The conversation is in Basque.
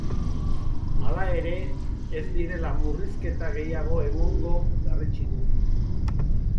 Hala ere, ez direla murrizketa gehiago egongo berretsi du.